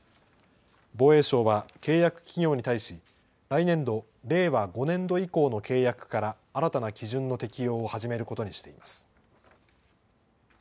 防衛省は契約企業に対し来年度、令和５年度以降の契約から新たな基準の適用を始めることにしています。